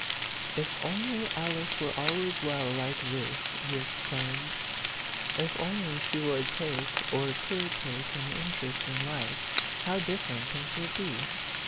"If only Alice were always well like this !" he exclaimed ;" if only she would take, or could take, an interest in life, how different things would be!